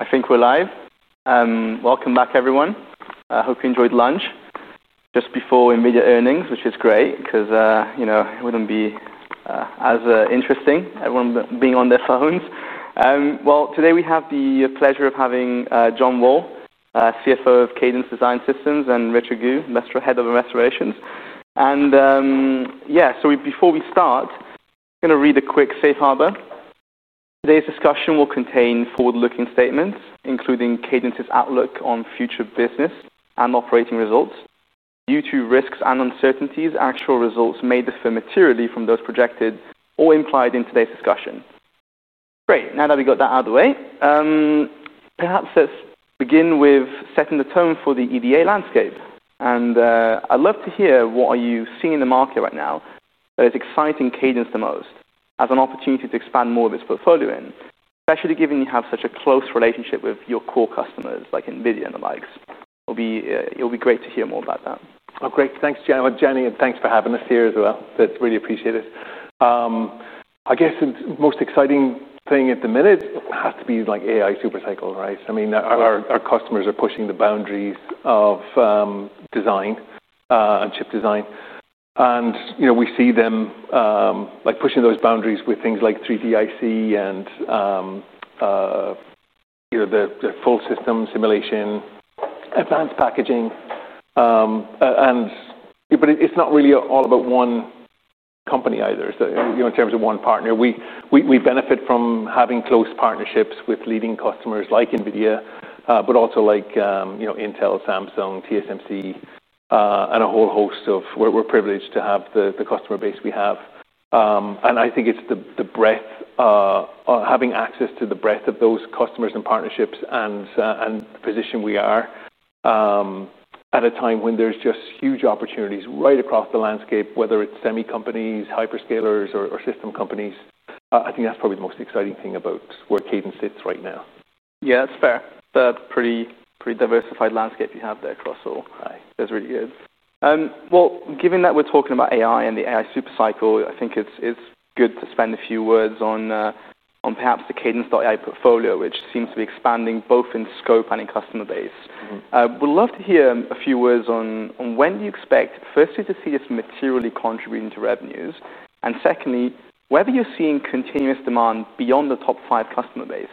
I think we're live. Welcome back, everyone. I hope you enjoyed lunch. Just before media earnings, which is great because it wouldn't be as interesting, everyone being on their phones. Today we have the pleasure of having John Wall, Chief Financial Officer of Cadence Design Systems, and Richard Gu, Master Head of Investor Relations. Before we start, I'm going to read a quick safe harbor. Today's discussion will contain forward-looking statements, including Cadence's outlook on future business and operating results. Due to risks and uncertainties, actual results may differ materially from those projected or implied in today's discussion. Great. Now that we got that out of the way, perhaps let's begin with setting the tone for the EDA landscape. I'd love to hear what you're seeing in the market right now that is exciting Cadence the most as an opportunity to expand more of its portfolio in, especially given you have such a close relationship with your core customers like NVIDIA and the likes. It'll be great to hear more about that. Thank you, Jenny. Thank you for having us here as well. That's really appreciated. I guess the most exciting thing at the minute has to be like AI supercycle, right? I mean, our customers are pushing the boundaries of design and chip design. We see them pushing those boundaries with things like 3D IC and the full system simulation, advanced packaging. It's not really all about one company either, in terms of one partner. We benefit from having close partnerships with leading customers like NVIDIA, but also like Intel Corporation, Samsung, TSMC, and a whole host of others. We're privileged to have the customer base we have. I think it's the breadth, having access to the breadth of those customers and partnerships and the position we are at a time when there's just huge opportunities right across the landscape, whether it's semi-companies or hyperscalers or system companies. I think that's probably the most exciting thing about where Cadence sits right now. Yeah, that's fair. It's a pretty diversified landscape you have there across all. That's really good. Given that we're talking about AI and the AI supercycle, I think it's good to spend a few words on perhaps the Cadence AI portfolio, which seems to be expanding both in scope and in customer base. We'd love to hear a few words on when you expect, firstly, to see this materially contributing to revenues, and secondly, whether you're seeing continuous demand beyond the top five customer base.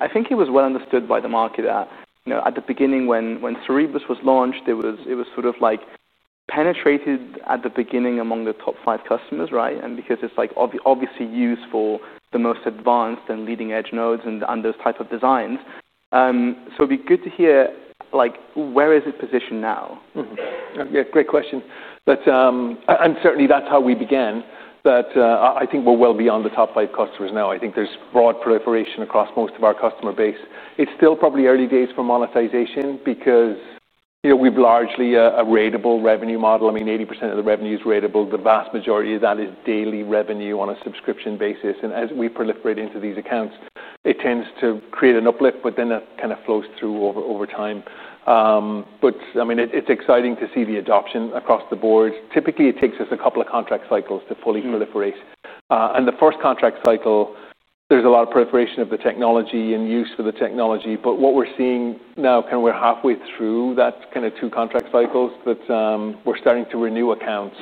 I think it was well understood by the market that at the beginning, when Cerebrus was launched, it was sort of like penetrated at the beginning among the top five customers, right? It's obviously used for the most advanced and leading edge nodes and those types of designs. It'd be good to hear where is it positioned now? Great question. Certainly, that's how we began. I think we're well beyond the top five customers now. I think there's broad proliferation across most of our customer base. It's still probably early days for monetization because we've largely a ratable revenue model. I mean, 80% of the revenue is ratable. The vast majority of that is daily revenue on a subscription basis. As we proliferate into these accounts, it tends to create an uplift, but then that kind of flows through over time. It's exciting to see the adoption across the board. Typically, it takes us a couple of contract cycles to fully proliferate. In the first contract cycle, there's a lot of proliferation of the technology and use for the technology. What we're seeing now, kind of we're halfway through that kind of two contract cycles, is that we're starting to renew accounts,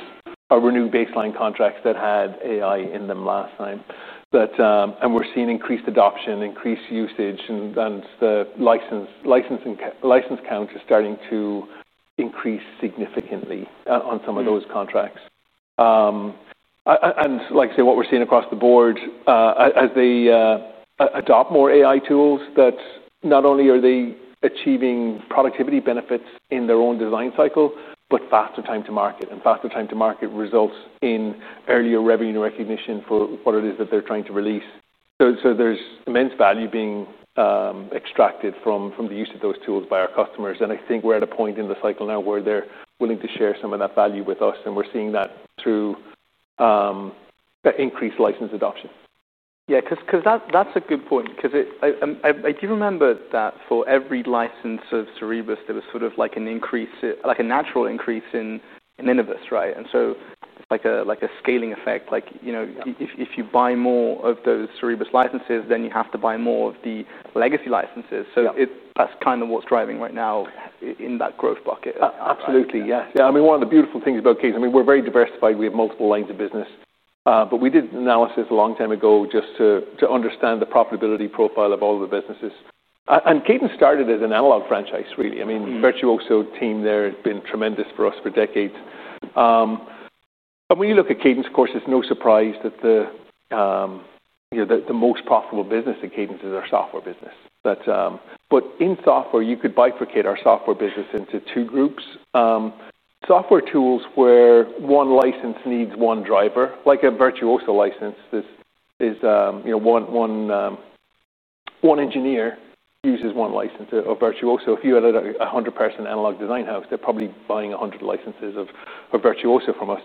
renew baseline contracts that had AI in them last time. We're seeing increased adoption, increased usage, and then the license counts are starting to increase significantly on some of those contracts. Like I say, what we're seeing across the board as they adopt more AI tools is that not only are they achieving productivity benefits in their own design cycle, but faster time to market. Faster time to market results in earlier revenue recognition for what it is that they're trying to release. There's immense value being extracted from the use of those tools by our customers. I think we're at a point in the cycle now where they're willing to share some of that value with us. We're seeing that through increased license adoption. Yeah, because that's a good point. I do remember that for every license of Cerebrus, there was sort of like an increase, like a natural increase in innovative, right? It's like a scaling effect. You know, if you buy more of those Cerebrus licenses, then you have to buy more of the legacy licenses. That's kind of what's driving right now in that growth bucket. Absolutely, yeah. I mean, one of the beautiful things about Cadence, I mean, we're very diversified. We have multiple lines of business. We did an analysis a long time ago just to understand the profitability profile of all the businesses. Cadence started as an analog franchise, really. I mean, the Virtuoso team there has been tremendous for us for decades. When you look at Cadence, of course, it's no surprise that the most profitable business at Cadence is our software business. In software, you could bifurcate our software business into two groups. Software tools where one license needs one driver, like a Virtuoso license, is one engineer uses one license of Virtuoso. If you had a 100-person analog design house, they're probably buying 100 licenses of Virtuoso from us.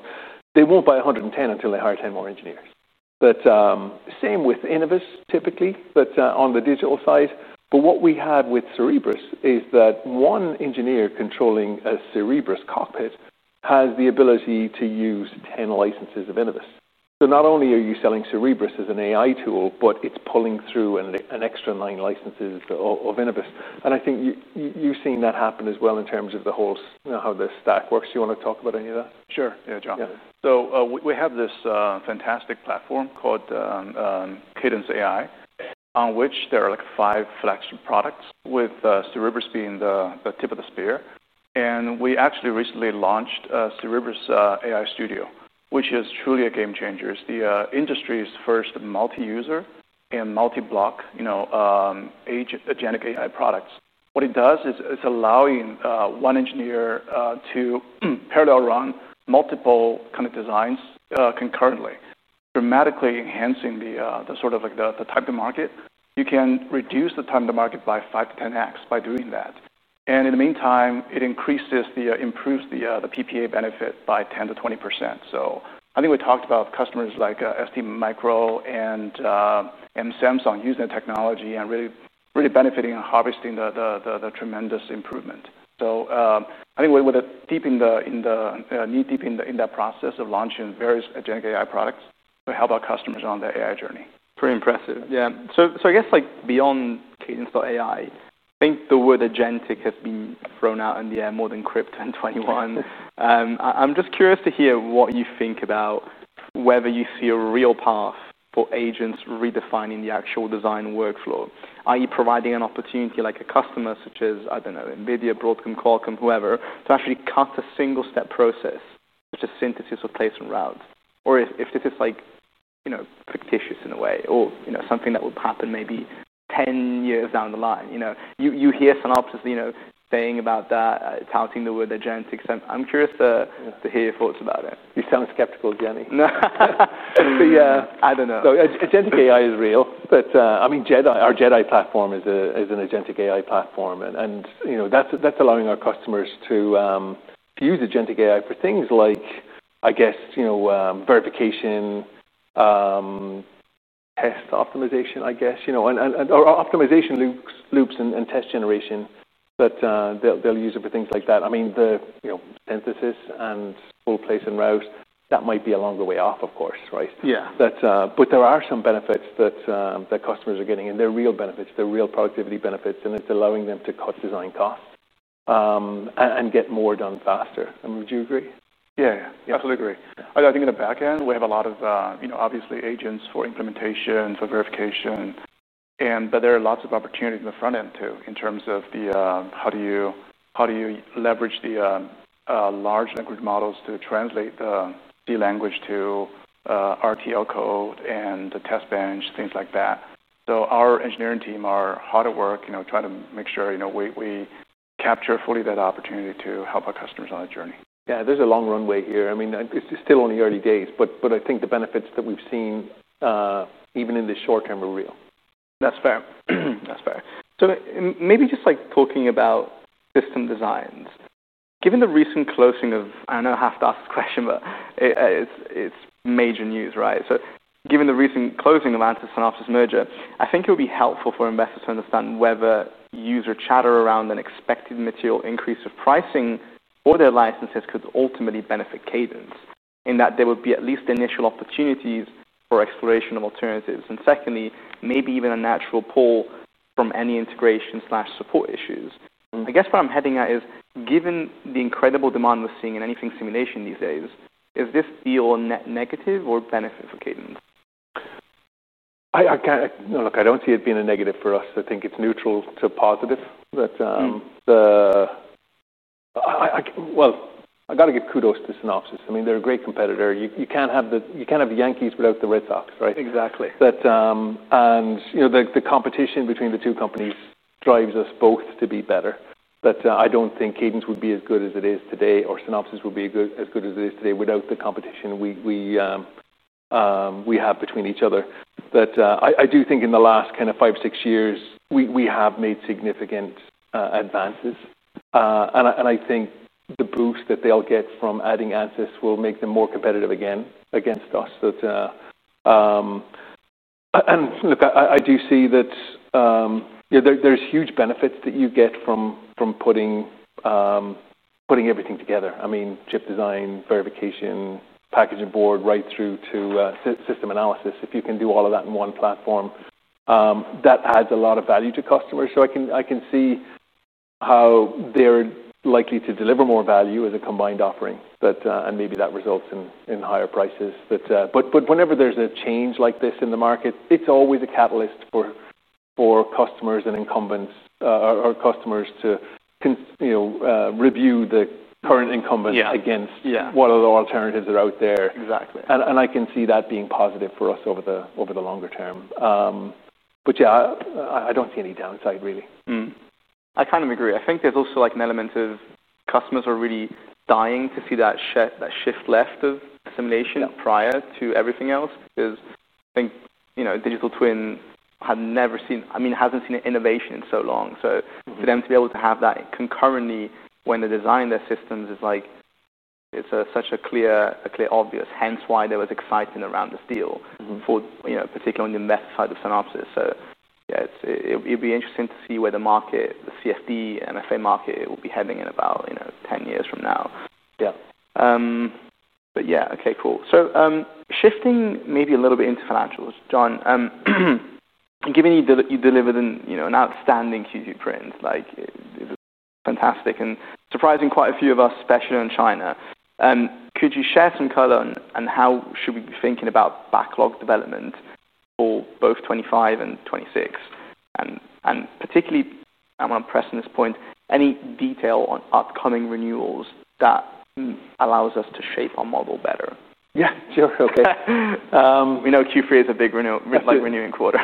They won't buy 110 until they hire 10 more engineers. Same with Innovus, typically, but on the digital side. What we had with Cerebrus is that one engineer controlling a Cerebrus cockpit has the ability to use 10 licenses of Innovus. Not only are you selling Cerebrus as an AI tool, but it's pulling through an extra nine licenses of Innovus. I think you've seen that happen as well in terms of the whole, you know, how the stack works. Do you want to talk about any of that? Sure. Yeah, John. We have this fantastic platform called Cadence AI, on which there are like five flagship products, with Cerebrus being the tip of the spear. We actually recently launched Cerebrus AI Studio, which is truly a game changer. It's the industry's first multi-user and multi-block, you know, agentic AI products. What it does is it's allowing one engineer to parallel run multiple kind of designs concurrently, dramatically enhancing the sort of like the time to market. You can reduce the time to market by 5x-10x by doing that. In the meantime, it increases the improves the PPA benefit by 10%-20%. I think we talked about customers like SD Micro and Samsung using the technology and really benefiting and harvesting the tremendous improvement. I think we're deep in that process of launching various agentic AI products to help our customers on their AI journey. Pretty impressive. Yeah. I guess beyond Cadence AI, I think the word agentic has been thrown out in the air more than Crypto in 2021. I'm just curious to hear what you think about whether you see a real path for agents redefining the actual design workflow, i.e., providing an opportunity like a customer such as, I don't know, NVIDIA, Broadcom, Qualcomm, whoever, to actually cut a single-step process, such as synthesis or placement route, or if it is fictitious in a way, or something that would happen maybe 10 years down the line. You hear Synopsys saying about that, touting the word agentic. I'm curious to hear your thoughts about it. You sound skeptical, Jenny. I don't know. Agentic AI is real. I mean, our Jedi platform is an agentic AI platform, and that's allowing our customers to use agentic AI for things like verification, test optimization, and optimization loops and test generation. They'll use it for things like that. I mean, the synthesis and full placement routes, that might be a longer way off, of course, right? Yeah. There are some benefits that customers are getting, and they're real benefits. They're real productivity benefits. It's allowing them to cut design costs and get more done faster. I mean, would you agree? Yeah, absolutely. I think in the back end, we have a lot of, obviously, agents for implementation, for verification. There are lots of opportunities in the front end, too, in terms of how do you leverage the large language models to translate the language to RTL code and the test bench, things like that. Our engineering team are hard at work, you know, trying to make sure we capture fully that opportunity to help our customers on the journey. Yeah, there's a long runway here. I mean, this is still only early days. I think the benefits that we've seen, even in the short term, are real. That's fair. That's fair. Maybe just like talking about system designs, given the recent closing of, I don't know how to ask this question, but it's major news, right? Given the recent closing of the Synopsys merger, I think it would be helpful for investors to understand whether user chatter around an expected material increase of pricing or their licenses could ultimately benefit Cadence, in that there would be at least initial opportunities for exploration of alternatives. Secondly, maybe even a natural pull from any integration or support issues. I guess where I'm heading at is, given the incredible demand we're seeing in anything simulation these days, is this deal net negative or benefit for Cadence? No, look, I don't see it being a negative for us. I think it's neutral to positive. I got to give kudos to Synopsys. I mean, they're a great competitor. You can't have the Yankees without the Red Sox, right? Exactly. The competition between the two companies drives us both to be better. I don't think Cadence would be as good as it is today, or Synopsys would be as good as it is today without the competition we have between each other. I do think in the last five, six years, we have made significant advances. I think the boost that they'll get from adding Ansys will make them more competitive again against us. There are huge benefits that you get from putting everything together. I mean, chip design, verification, packaging board, right through to system analysis. If you can do all of that in one platform, that adds a lot of value to customers. I can see how they're likely to deliver more value as a combined offering. Maybe that results in higher prices. Whenever there's a change like this in the market, it's always a catalyst for customers and incumbents to review the current incumbents against what other alternatives are out there. Exactly. I can see that being positive for us over the longer term. I don't see any downside, really. I kind of agree. I think there's also an element of customers are really dying to see that shift left of simulation prior to everything else. I think digital twin had never seen, I mean, it hasn't seen innovation in so long. For them to be able to have that concurrently when they design their systems is such a clear, obvious, hence why there was excitement around this deal, particularly on the method side of Synopsys. It'd be interesting to see where the market, the CFD, MFA market will be heading in about 10 years from now. Yeah. OK, cool. Shifting maybe a little bit into financials, John. Given you delivered an outstanding Q2 print, like it was fantastic and surprising quite a few of us, especially on China, could you share some color, and how should we be thinking about backlog development for both 2025 and 2026? Particularly, I'm going to press on this point, any detail on upcoming renewals that allows us to shape our model better? Yeah, sure. OK. We know Q3 is a big renewal, like renewing quarter.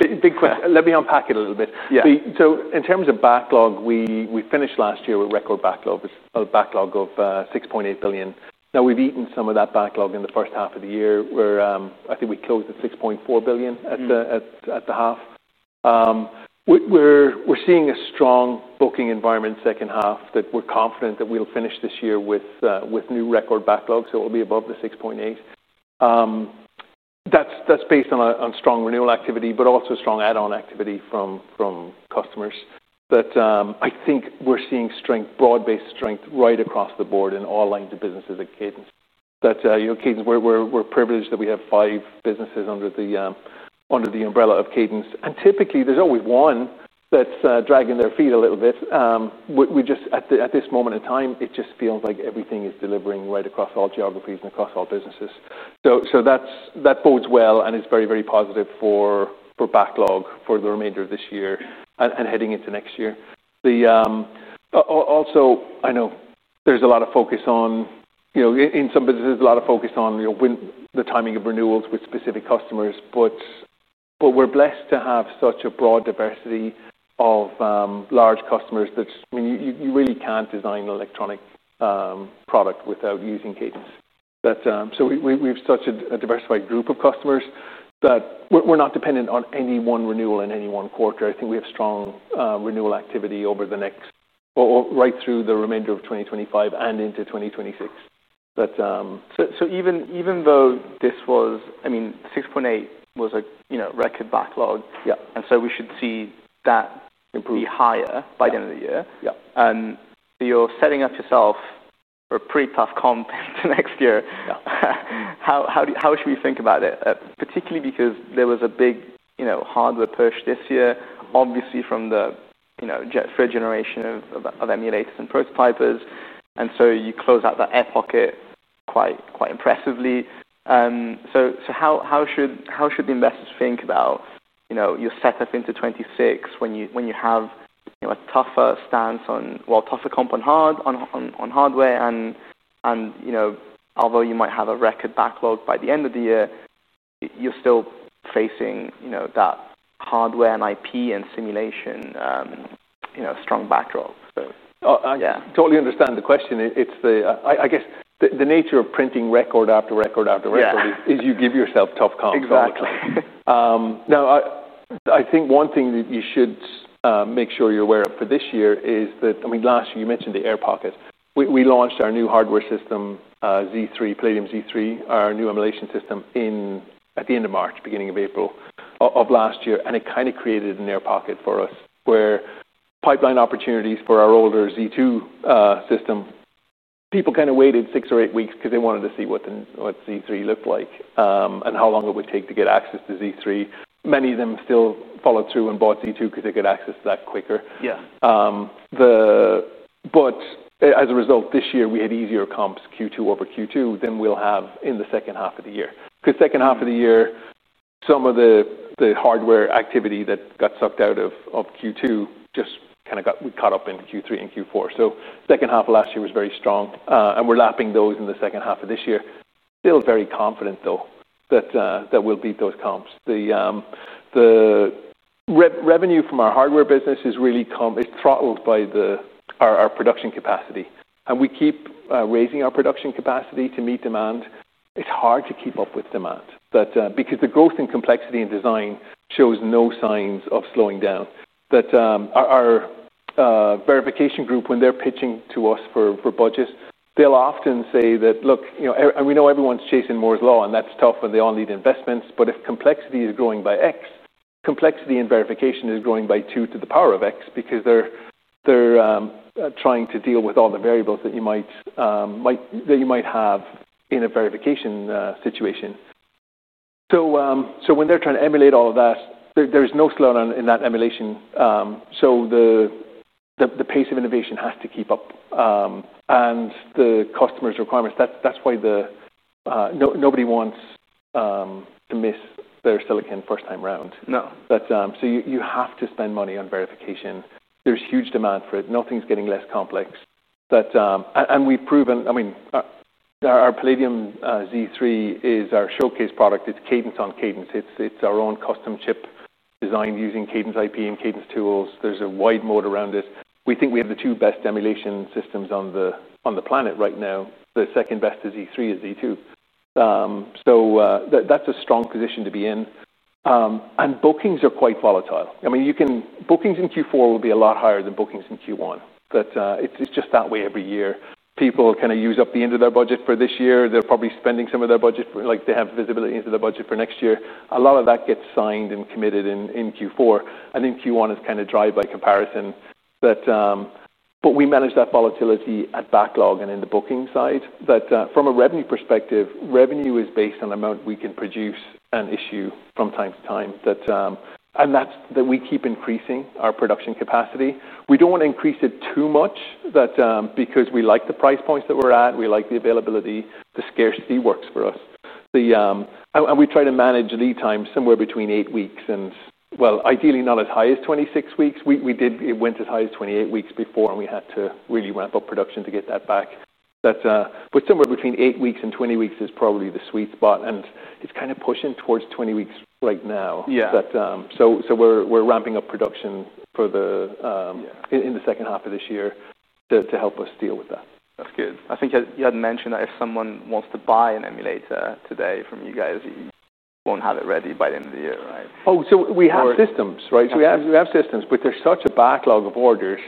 Big question. Let me unpack it a little bit. Yeah. In terms of backlog, we finished last year with record backlogs of $6.8 billion. Now we've eaten some of that backlog in the first half of the year, where I think we closed at $6.4 billion at the half. We're seeing a strong booking environment in the second half that we're confident that we'll finish this year with new record backlogs. It will be above the $6.8 billion. That's based on strong renewal activity, but also strong add-on activity from customers. I think we're seeing strength, broad-based strength right across the board in all lines of businesses at Cadence. At Cadence, we're privileged that we have five businesses under the umbrella of Cadence. Typically, there's always one that's dragging their feet a little bit. At this moment in time, it just feels like everything is delivering right across all geographies and across all businesses. That bodes well, and it's very, very positive for backlog for the remainder of this year and heading into next year. Also, I know there's a lot of focus on, you know, in some businesses, there's a lot of focus on the timing of renewals with specific customers. We're blessed to have such a broad diversity of large customers that you really can't design an electronic product without using Cadence. We've such a diversified group of customers that we're not dependent on any one renewal in any one quarter. I think we have strong renewal activity over the next or right through the remainder of 2025 and into 2026. Even though this was, I mean, $6.8 billion was a record backlog, and we should see that be higher by the end of the year. You're setting up yourself for a pretty tough comp to next year. How should we think about it? Particularly because there was a big hardware push this year, obviously from the next generation of emulators and prototypers, and you closed out that air pocket quite impressively. How should investors think about your setup into 2026 when you have a tougher stance on, well, tougher comp on hardware? Although you might have a record backlog by the end of the year, you're still facing that hardware and IP and simulation strong backlog. I totally understand the question. I guess the nature of printing record after record after record is you give yourself tough comps. Exactly. Now, I think one thing that you should make sure you're aware of for this year is that last year you mentioned the air pocket. We launched our new hardware system, Palladium Z3, our new emulation system at the end of March, beginning of April of last year. It kind of created an air pocket for us where pipeline opportunities for our older Z2 system, people kind of waited six or eight weeks because they wanted to see what Z3 looked like and how long it would take to get access to Z3. Many of them still followed through and bought Z2 because they could get access to that quicker. Yeah. As a result, this year we had easier comps Q2 over Q2 than we'll have in the second half of the year. The second half of the year, some of the hardware activity that got sucked out of Q2 just kind of got caught up in Q3 and Q4. The second half of last year was very strong, and we're lapping those in the second half of this year. Still very confident, though, that we'll beat those comps. The revenue from our hardware business is really throttled by our production capacity, and we keep raising our production capacity to meet demand. It's hard to keep up with demand because the growth in complexity and design shows no signs of slowing down. Our verification group, when they're pitching to us for budgets, they'll often say that, look, you know, and we know everyone's chasing Moore's law, and that's tough when they all need investments. If complexity is growing by x, complexity in verification is growing by 2 to the power of x because they're trying to deal with all the variables that you might have in a verification situation. When they're trying to emulate all of that, there's no slowdown in that emulation. The pace of innovation has to keep up, and the customer's requirements, that's why nobody wants to miss their silicon first-time round. No. You have to spend money on verification. There's huge demand for it. Nothing's getting less complex. We've proven, I mean, our Palladium Z3 is our showcase product. It's Cadence on Cadence. It's our own custom chip designed using Cadence IP and Cadence tools. There's a wide moat around it. We think we have the two best emulation systems on the planet right now. The second best is Z3, is Z2. That's a strong position to be in. Bookings are quite volatile. Bookings in Q4 will be a lot higher than bookings in Q1. It's just that way every year. People kind of use up the end of their budget for this year. They're probably spending some of their budget, like they have visibility into their budget for next year. A lot of that gets signed and committed in Q4. Q1 is kind of dried by comparison. We manage that volatility at backlog and in the booking side. From a revenue perspective, revenue is based on the amount we can produce and issue from time to time. We keep increasing our production capacity. We don't want to increase it too much because we like the price points that we're at, we like the availability. The scarcity works for us. We try to manage lead times somewhere between eight weeks and, ideally not as high as 26 weeks. It went as high as 28 weeks before, and we had to really ramp up production to get that back. Somewhere between eight weeks and 20 weeks is probably the sweet spot. It's kind of pushing towards 20 weeks right now. Yeah. We are ramping up production in the second half of this year to help us deal with that. That's good. I think you had mentioned that if someone wants to buy an emulator today from you guys, you won't have it ready by the end of the year, right? We have systems, right? We have systems, but there's such a backlog of orders.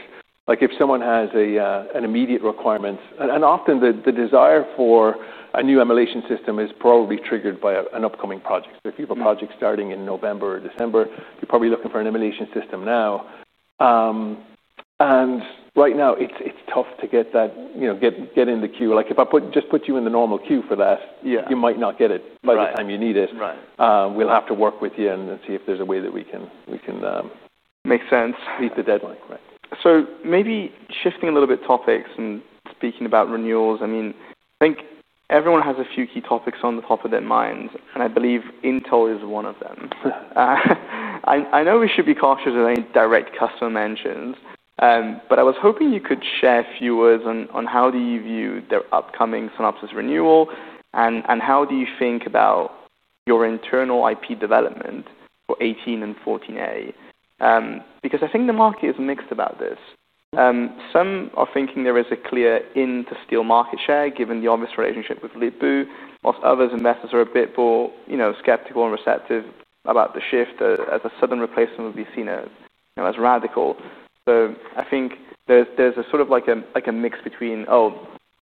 If someone has an immediate requirement, often the desire for a new emulation system is probably triggered by an upcoming project. If you have a project starting in November or December, you're probably looking for an emulation system now. Right now, it's tough to get that, you know, get in the queue. If I just put you in the normal queue for that, you might not get it by the time you need it. Right. We'll have to work with you and see if there's a way that we can. Makes sense. Meet the deadline. Maybe shifting a little bit of topics and speaking about renewals, I think everyone has a few key topics on the top of their minds. I believe Intel is one of them. I know we should be cautious of any direct customer mentions. I was hoping you could share a few words on how you view their upcoming Synopsys renewal and how you think about your internal IP development for 18A and 14A. I think the market is mixed about this. Some are thinking there is a clear in to steal market share, given the obvious relationship with Lip-Bu, whilst others and investors are a bit more skeptical and receptive about the shift as a sudden replacement would be seen as radical. I think there's a sort of like a mix between, oh,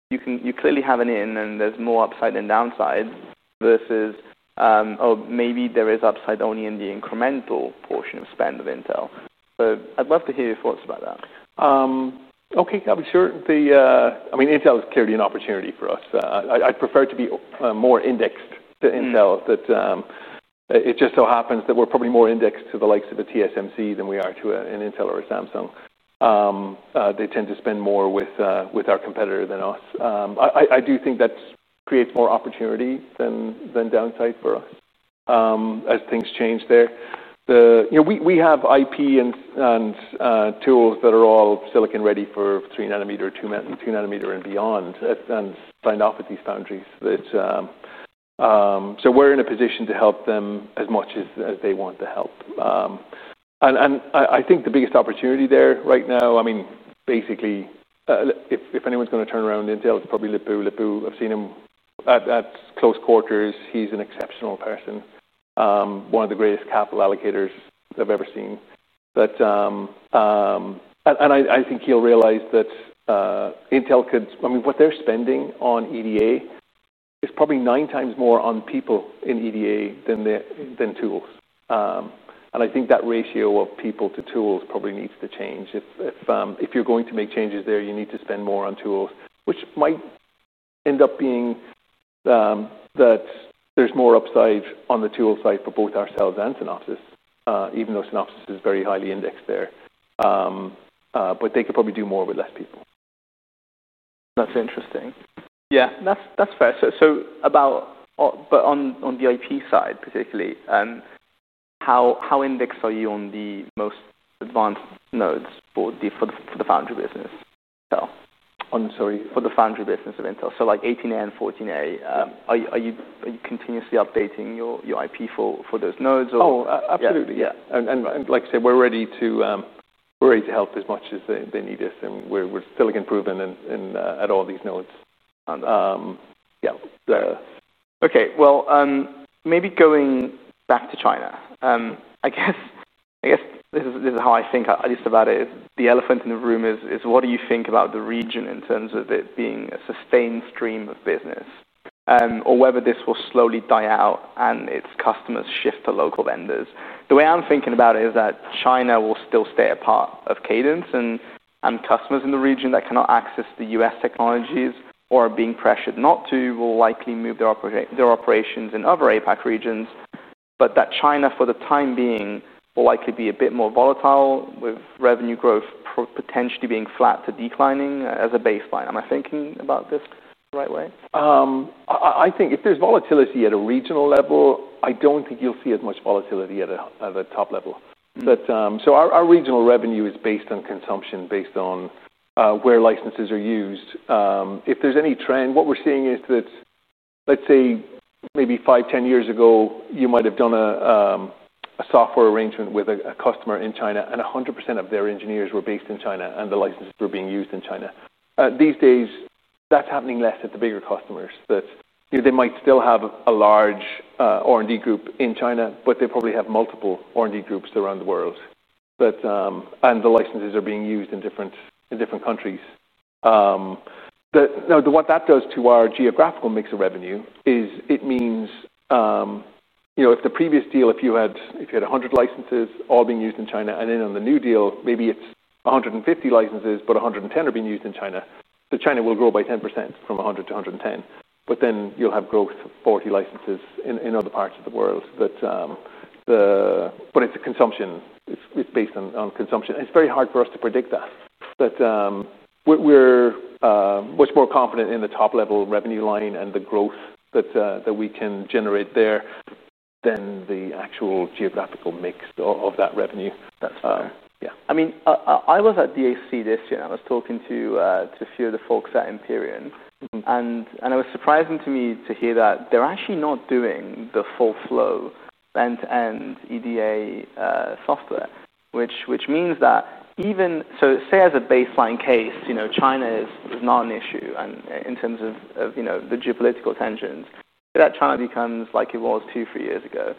you clearly have an in and there's more upside than downside, versus, oh, maybe there is upside only in the incremental portion of spend of Intel. I'd love to hear your thoughts about that. I'm sure Intel is clearly an opportunity for us. I'd prefer to be more indexed to Intel. It just so happens that we're probably more indexed to the likes of a TSMC than we are to an Intel or a Samsung. They tend to spend more with our competitor than us. I do think that creates more opportunity than downside for us as things change there. We have IP and tools that are all silicon ready for 3 nanometer, 2 nanometer, and beyond and signed off at these foundries. We're in a position to help them as much as they want to help. I think the biggest opportunity there right now, basically, if anyone's going to turn around Intel, it's probably Lip-Bu. Lip-Bu, I've seen him at close quarters. He's an exceptional person, one of the greatest capital allocators I've ever seen. I think he'll realize that Intel could, I mean, what they're spending on EDA is probably nine times more on people in EDA than tools. I think that ratio of people to tools probably needs to change. If you're going to make changes there, you need to spend more on tools, which might end up being that there's more upside on the tool side for both ourselves and Synopsys, even though Synopsys is very highly indexed there. They could probably do more with less people. That's interesting. Yeah, that's fair. On the IP side particularly, how indexed are you on the most advanced nodes for the foundry business? Sorry? For the foundry business of Intel Corporation, like 18A and 14A, are you continuously updating your IP for those nodes? Oh, absolutely. Yeah, like I said, we're ready to help as much as they need us. We're still improving at all these nodes. OK, maybe going back to China, I guess this is how I think about it. The elephant in the room is what do you think about the region in terms of it being a sustained stream of business, or whether this will slowly die out and its customers shift to local vendors? The way I'm thinking about it is that China will still stay a part of Cadence, and customers in the region that cannot access U.S. technologies or are being pressured not to will likely move their operations in other APAC regions. I think that China, for the time being, will likely be a bit more volatile, with revenue growth potentially being flat to declining as a baseline. Am I thinking about this the right way? I think if there's volatility at a regional level, I don't think you'll see as much volatility at the top level. Our regional revenue is based on consumption, based on where licenses are used. If there's any trend, what we're seeing is that, let's say, maybe five, 10 years ago, you might have done a software arrangement with a customer in China, and 100% of their engineers were based in China, and the licenses were being used in China. These days, that's happening less at the bigger customers. They might still have a large R&D group in China, but they probably have multiple R&D groups around the world, and the licenses are being used in different countries. What that does to our geographical mix of revenue is it means if the previous deal, if you had 100 licenses all being used in China, and then on the new deal, maybe it's 150 licenses, but 110 are being used in China. China will grow by 10% from 100-110, and you'll have growth of 40 licenses in other parts of the world. It's a consumption. It's based on consumption. It's very hard for us to predict that. We're much more confident in the top-level revenue line and the growth that we can generate there than the actual geographical mix of that revenue. That's fair. Yeah. I mean, I was at DAC this year, and I was talking to a few of the folks at Empyrean. It was surprising to me to hear that they're actually not doing the full flow end-to-end EDA software, which means that even, so say as a baseline case, you know, China is not an issue in terms of the geopolitical tensions. If China becomes like it was two, three years ago,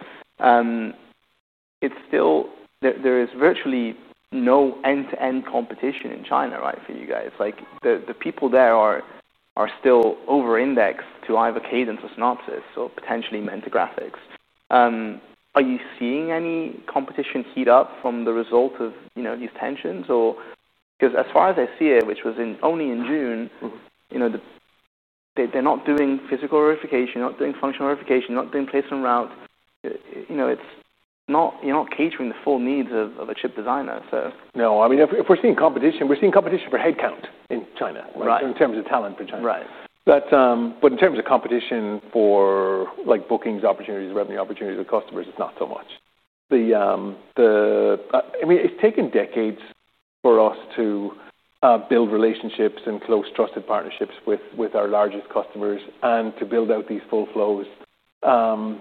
it's still, there is virtually no end-to-end competition in China, right, for you guys. The people there are still over-indexed to either Cadence or Synopsys, or potentially Mentor Graphics. Are you seeing any competition heat up from the result of these tensions? As far as I see it, which was only in June, they're not doing physical verification, not doing functional verification, not doing placement route. You're not catering the full needs of a chip designer. No. I mean, if we're seeing competition, we're seeing competition for headcount in China, in terms of talent for China. Right. In terms of competition for bookings opportunities, revenue opportunities with customers, it's not so much. It's taken decades for us to build relationships and close trusted partnerships with our largest customers and to build out these full flows and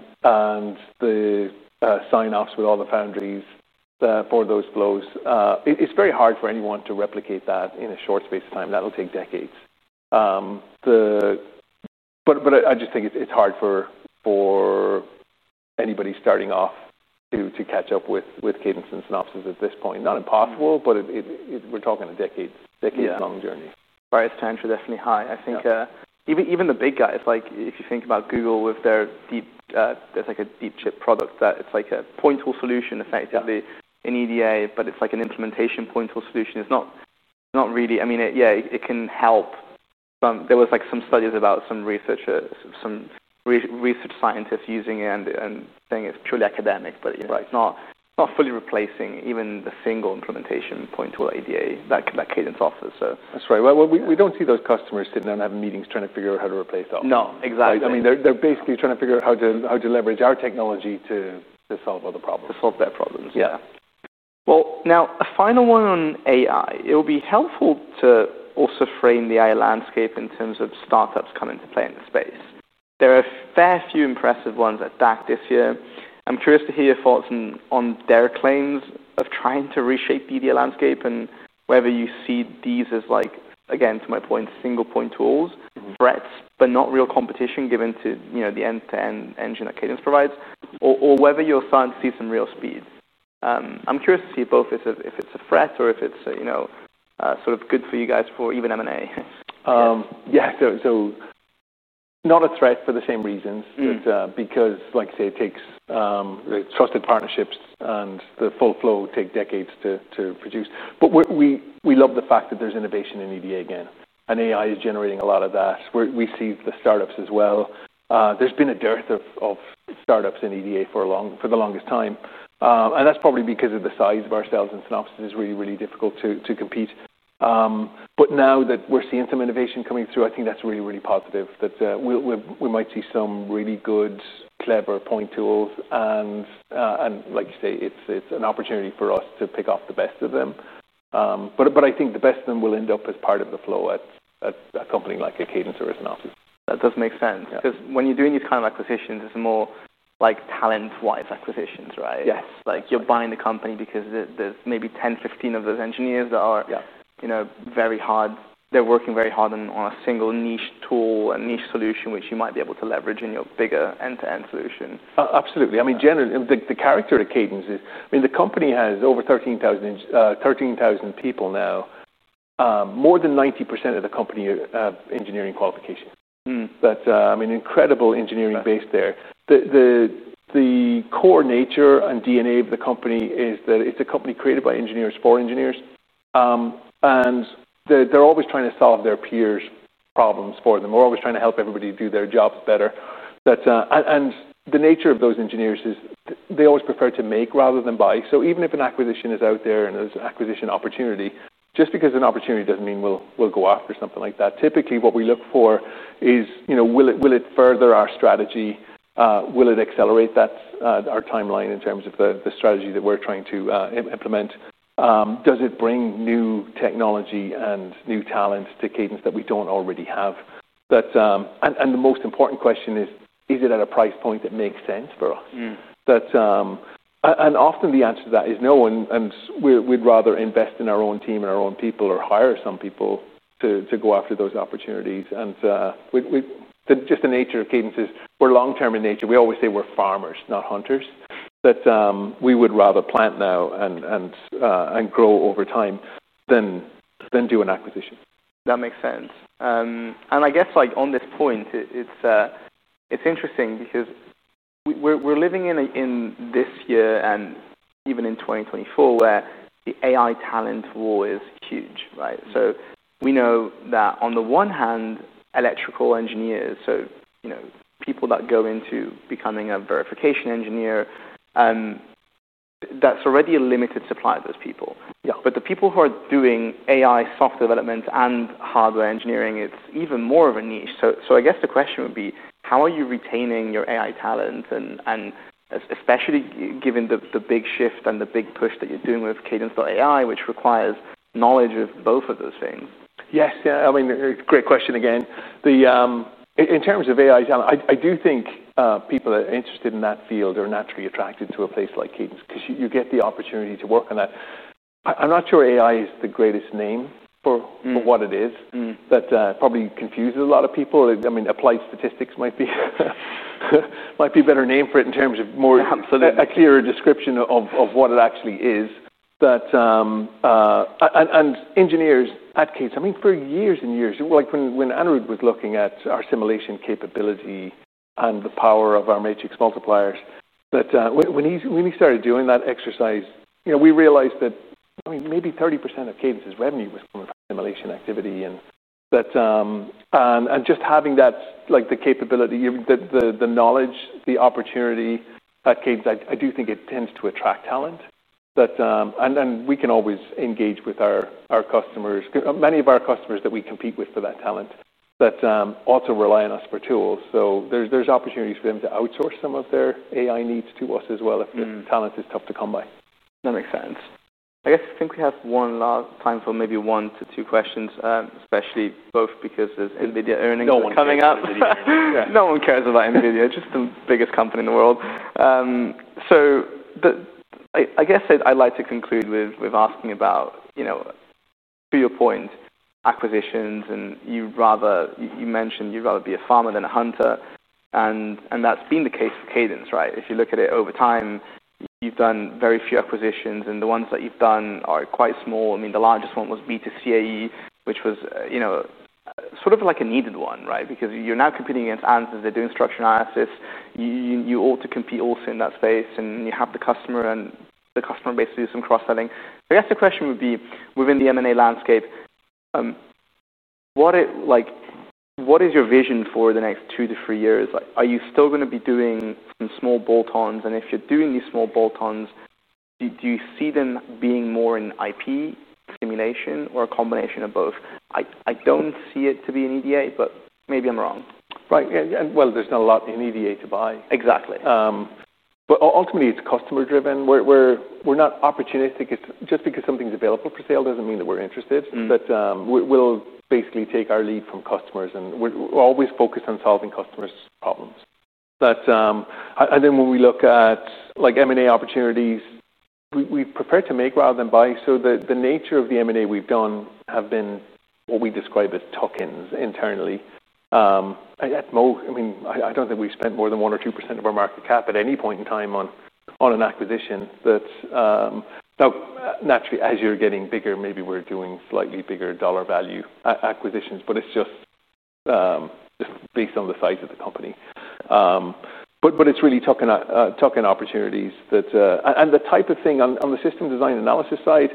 the sign-offs with all the foundries for those flows. It's very hard for anyone to replicate that in a short space of time. That'll take decades. I just think it's hard for anybody starting off to catch up with Cadence and Synopsys at this point. Not impossible, but we're talking a decade-long journey. Right. The times are definitely high. I think even the big guys, like if you think about Google with their deep, there's like a deep chip product that it's like a pointal solution, effectively, in EDA, but it's like an implementation pointal solution. It's not really, I mean, yeah, it can help. There were like some studies about some research scientists using it and saying it's purely academic, but it's not fully replacing even the single implementation pointal EDA that Cadence offers. That's right. We don't see those customers sitting down and having meetings trying to figure out how to replace the optics. No, exactly. I mean, they're basically trying to figure out how to leverage our technology to solve other problems. To solve their problems. Yeah. A final one on AI. It would be helpful to also frame the AI landscape in terms of startups coming to play in the space. There are a fair few impressive ones at DAC this year. I'm curious to hear your thoughts on their claims of trying to reshape the EDA landscape and whether you see these as, like, again, to my point, single point tools, threats, but not real competition given to the end-to-end engine that Cadence provides, or whether you're starting to see some real speeds. I'm curious to see both if it's a threat or if it's sort of good for you guys or even M&A. Yeah, so not a threat for the same reasons. Like I say, it takes trusted partnerships, and the full flow takes decades to produce. We love the fact that there's innovation in EDA again. AI is generating a lot of that. We see the startups as well. There's been a dearth of startups in EDA for the longest time. That's probably because of the size of ourselves and Synopsys. It's really, really difficult to compete. Now that we're seeing some innovation coming through, I think that's really, really positive. We might see some really good, clever point tools. Like you say, it's an opportunity for us to pick up the best of them. I think the best of them will end up as part of the flow at a company like a Cadence or a Synopsys. That does make sense. Because when you're doing these kind of acquisitions, it's more like talent-wise acquisitions, right? Yes. Like you're buying the company because there's maybe 10, 15 of those engineers that are very hard. They're working very hard on a single niche tool and niche solution, which you might be able to leverage in your bigger end-to-end solution. Absolutely. The character of Cadence is, the company has over 13,000 people now. More than 90% of the company are engineering qualification. Incredible engineering base there. The core nature and DNA of the company is that it's a company created by engineers for engineers. They're always trying to solve their peers' problems for them. We're always trying to help everybody do their jobs better. The nature of those engineers is they always prefer to make rather than buy. Even if an acquisition is out there and there's an acquisition opportunity, just because it's an opportunity doesn't mean we'll go after something like that. Typically, what we look for is, will it further our strategy? Will it accelerate our timeline in terms of the strategy that we're trying to implement? Does it bring new technology and new talent to Cadence that we don't already have? The most important question is, is it at a price point that makes sense for us? Often the answer to that is no. We'd rather invest in our own team and our own people or hire some people to go after those opportunities. The nature of Cadence is we're long-term in nature. We always say we're farmers, not hunters. We would rather plant now and grow over time than do an acquisition. That makes sense. I guess on this point, it's interesting because we're living in this year and even in 2024 where the AI talent war is huge, right? We know that on the one hand, electrical engineers, so you know people that go into becoming a verification engineer, that's already a limited supply of those people. The people who are doing AI software development and hardware engineering, it's even more of a niche. I guess the question would be, how are you retaining your AI talent? Especially given the big shift and the big push that you're doing with Cadence.ai, which requires knowledge of both of those things. Yes, yeah. I mean, great question again. In terms of AI talent, I do think people that are interested in that field are naturally attracted to a place like Cadence because you get the opportunity to work on that. I'm not sure AI is the greatest name for what it is. That probably confuses a lot of people. I mean, Applied Statistics might be a better name for it in terms of more a clearer description of what it actually is. Engineers at Cadence, for years and years, like when Anirudh was looking at our simulation capability and the power of our matrix multipliers, when he started doing that exercise, we realized that maybe 30% of Cadence's revenue was from simulation activity. Just having that, like the capability, the knowledge, the opportunity at Cadence, I do think it tends to attract talent. We can always engage with our customers, many of our customers that we compete with for that talent, that also rely on us for tools. There's opportunities for them to outsource some of their AI needs to us as well if the talent is tough to come by. That makes sense. I guess I think we have time for maybe one to two questions, especially because there's NVIDIA earnings coming up. No one cares about NVIDIA. It's just the biggest company in the world. I guess I'd like to conclude with asking about, you know, to your point, acquisitions. You mentioned you'd rather be a farmer than a hunter. That's been the case for Cadence Design Systems, right? If you look at it over time, you've done very few acquisitions, and the ones that you've done are quite small. I mean, the largest one was Beta CAE Systems, which was sort of like a needed one, right? Because you're now competing against Ansys. They're doing structural analysis. You ought to compete also in that space, and you have the customer. The customer basically is some cross-selling. I guess the question would be, within the M&A landscape, what is your vision for the next two to three years? Are you still going to be doing some small bolt-ons? If you're doing these small bolt-ons, do you see them being more in IP, simulation, or a combination of both? I don't see it to be in EDA, but maybe I'm wrong. Right. There's not a lot in EDA to buy. Exactly. Ultimately, it's customer-driven. We're not opportunistic. Just because something's available for sale doesn't mean that we're interested. We'll basically take our lead from customers. We're always focused on solving customers' problems. When we look at M&A opportunities, we prepare to make rather than buy. The nature of the M&A we've done has been what we describe as tuck-ins internally. I don't think we've spent more than 1% or 2% of our market cap at any point in time on an acquisition. Naturally, as you're getting bigger, maybe we're doing slightly bigger dollar value acquisitions. It's just based on the size of the company. It's really tuck-in opportunities. The type of thing on the system design analysis side,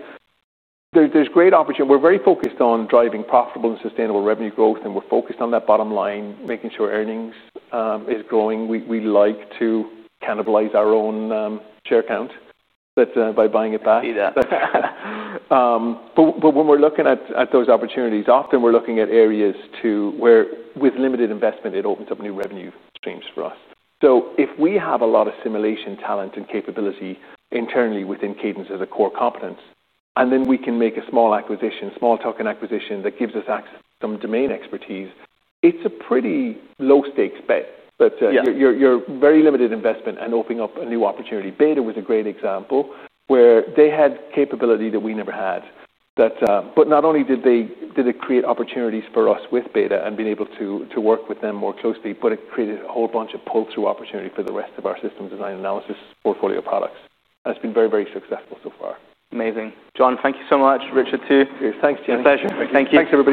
there's great opportunity. We're very focused on driving profitable and sustainable revenue growth. We're focused on that bottom line, making sure earnings are growing. We like to cannibalize our own share count by buying it back. Eat it. When we're looking at those opportunities, often we're looking at areas where, with limited investment, it opens up new revenue streams for us. If we have a lot of simulation talent and capability internally within Cadence as a core competence, and then we can make a small acquisition, a small tuck-in acquisition that gives us some domain expertise, it's a pretty low-stakes bet. Your very limited investment is opening up a new opportunity. Beta was a great example where they had capability that we never had. Not only did it create opportunities for us with Beta and being able to work with them more closely, it created a whole bunch of pull-through opportunity for the rest of our system design analysis portfolio products. It's been very, very successful so far. Amazing. John, thank you so much. Richard, too. Thanks, Jenny. Pleasure. Thank you. Thanks everybody.